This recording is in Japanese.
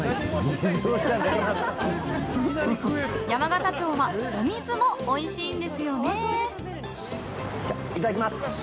山形町はお水もおいしいんですよね。